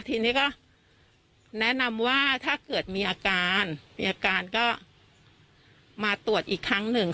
ทีนี้ก็แนะนำว่าถ้าเกิดมีอาการมีอาการก็มาตรวจอีกครั้งหนึ่ง